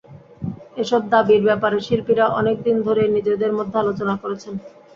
এসব দাবির ব্যাপারে শিল্পীরা অনেক দিন ধরেই নিজেদের মধ্যে আলোচনা করেছেন।